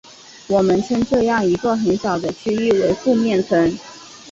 我们称这样一个很小的区域为附面层。